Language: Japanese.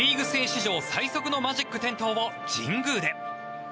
史上最速のマジック点灯を神宮で。